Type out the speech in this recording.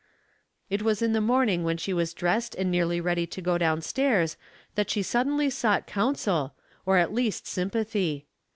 It was in the morning when she was dressed and nearly ready to go down stairs that she suddenly sought counsel, or at least sympathy.